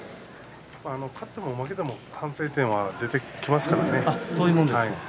勝っても負けても反省点は出てきますからね。